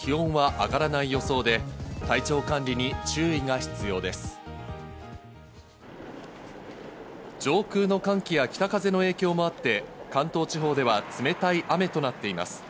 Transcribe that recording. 上空の寒気や北風の影響もあって関東地方では冷たい雨となっています。